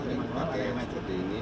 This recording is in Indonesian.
ini yang kita pakai seperti ini